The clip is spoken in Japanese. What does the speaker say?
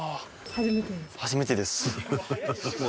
初めてですか？